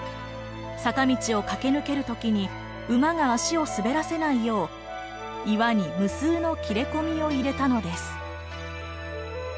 坂道を駆け抜ける時に馬が足を滑らせないよう岩に無数の切れ込みを入れたのです。